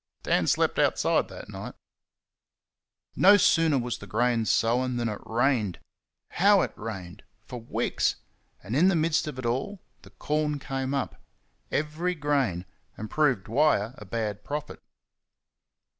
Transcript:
Dan slept outside that night. No sooner was the grain sown than it rained. How it rained! for weeks! And in the midst of it all the corn came up every grain and proved Dwyer a bad prophet.